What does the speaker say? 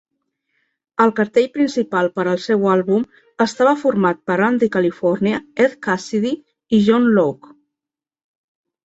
El cartell principal per al seu àlbum estava format per Randy California, Ed Cassidy i John Locke.